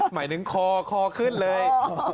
หมายถึงคอคอขึ้นเลย